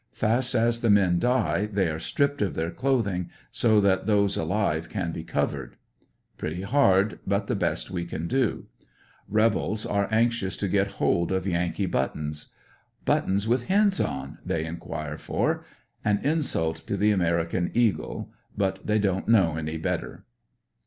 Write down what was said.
Fast as the men die they are stripped of their clothing so that those alive can be covered?\ Pretty hard, but the best we can doN Rebels are anx ANDERSONVILLE DIARY. 69 ious to get hold of Yankee buttons. * 'Buttons with hens on," they enquire for. An insult to the American Eagle — but they don't know any better.